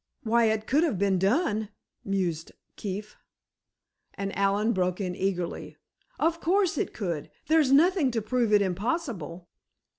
"Why, it could have been done," mused Keefe, and Allen broke in eagerly: "Of course it could! There's nothing to prove it impossible."